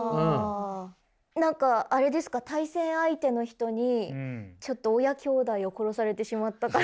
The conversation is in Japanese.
何かあれですか対戦相手の人にちょっと親兄弟を殺されてしまったから。